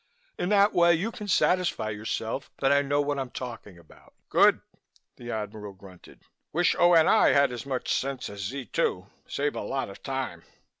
In that way you can satisfy yourself that I know what I'm talking about." "Good!" the Admiral grunted. "Wish O.N.I. had as much sense as Z 2. Save a lot of time.